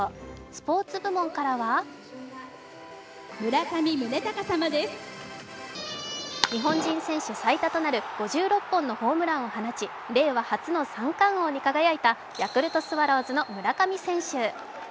スポーツ部門からは日本人選手最多となる５６本のホームランを放ち令和初の三冠王に輝いたヤクルトスワローズの村上選手。